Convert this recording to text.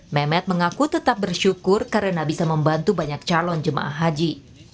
memet mengaku tetap bersyukur karena bisa membantu banyak calon jemaah haji